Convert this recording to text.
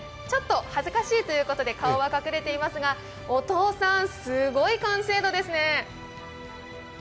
ちょっと恥ずかしいということで顔は隠れていますが、お父さん、すごい完成度ですね？